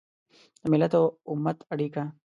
د ملت او امت اړیکه